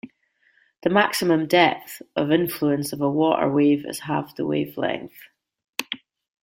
The maximum depth of influence of a water wave is half the wavelength.